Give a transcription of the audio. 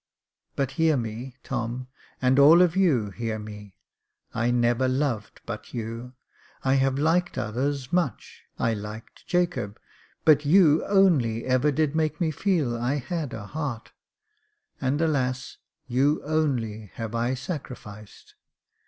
But hear me, Tom, and all of you hear me. I never loved but you ; I have liked others much ; I liked Jacob ; but you only ever did make me feel I had a heart ; and alas, you only have I sacrificed.